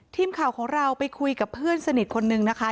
ทีมข่าวของเราไปคุยกับเพื่อนสนิทคนนึงนะคะ